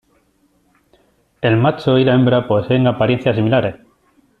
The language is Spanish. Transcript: El macho y la hembra poseen apariencias similares.